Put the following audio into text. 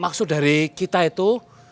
maksud dari kita itu